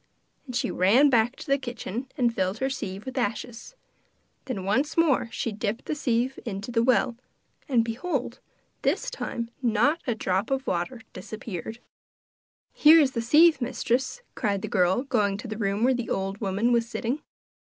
And she ran back to the kitchen and filled her sieve with ashes. Then once more she dipped the sieve into the well, and, behold, this time not a drop of water disappeared! 'Here is the sieve, mistress,' cried the girl, going to the room where the old woman was sitting.